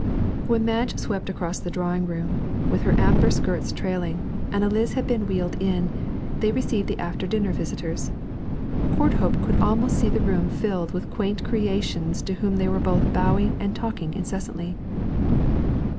When Madge swept across the drawing room, with her amber skirts trailing, and Eliz had been wheeled in, they received the after dinner visitors. Courthope could almost see the room filled with the quaint creations to whom they were both bowing and talking incessantly.